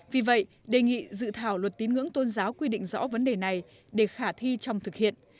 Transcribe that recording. vì vậy đề nghị dự thảo luật tín ngưỡng tôn giáo quy định rõ vấn đề này để khả thi trong thực hiện